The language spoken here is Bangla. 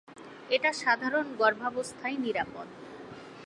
এটা সাধারণত গর্ভাবস্থায় নিরাপদ।